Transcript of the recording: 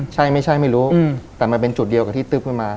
ใช่ไม่ใช่ไม่รู้แต่มันเป็นจุดเดียวกับที่ตึ๊บขึ้นมา